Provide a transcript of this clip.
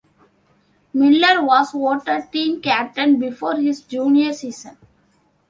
Miller was voted team captain before his junior season.